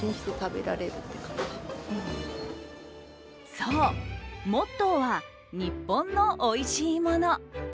そう、モットーは日本のおいしいもの。